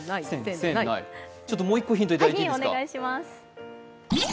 もう一個ヒントいただいていいですか？